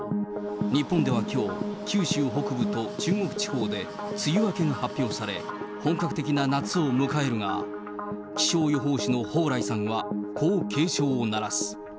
日本ではきょう、九州北部と中国地方で梅雨明けが発表され、本格的な夏を迎えるが、気象予報士の蓬莱さんは、こう警鐘を鳴らす。